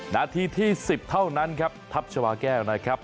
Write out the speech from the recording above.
นาทีที่๑๐เท่านั้นครับทัพชาวาแก้วนะครับ